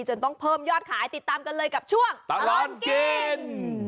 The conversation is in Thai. จนต้องเพิ่มยอดขายติดตามกันเลยกับช่วงตลอดกิน